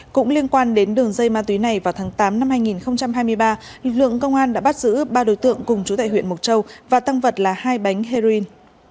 cũng liên quan đến đường dây ma túy này vào tháng tám năm hai nghìn hai mươi ba lực lượng công an đã bắt giữ ba đối tượng cùng chú tại huyện mộc châu và tăng vật là hai bánh heroin